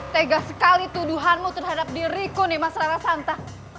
tegas sekali tuduhanmu terhadap diriku nih mas rara santa